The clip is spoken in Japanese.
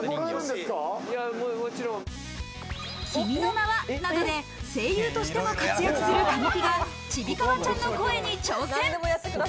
『君の名は。』などで声優としても活躍する神木がちびカバちゃんの声に挑戦。